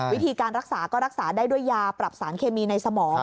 วิธีการรักษาก็รักษาได้ด้วยยาปรับสารเคมีในสมอง